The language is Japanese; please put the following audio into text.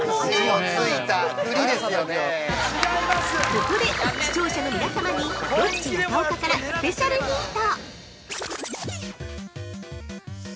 ◆ここで、視聴者の皆様にロッチ中岡からスペシャルヒント！